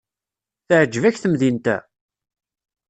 Teɛjeb-ak temdint-a?